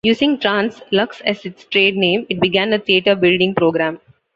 Using Trans-Lux as its trade name, it began a theater-building program.